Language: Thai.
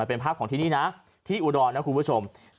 เป็นภาพของที่นี่นะที่อุดรนะคุณผู้ชม